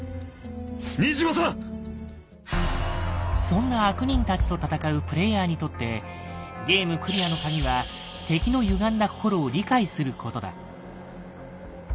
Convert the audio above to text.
そんな悪人たちと戦うプレイヤーにとってゲームクリアの鍵は敵のゆがんだ心を理解することだ。